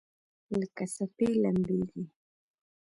لکه څپې لمبیږي